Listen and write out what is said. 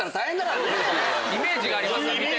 イメージがありますからね。